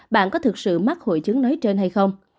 bạn có thực sự mắc hội chứng nói trên hay không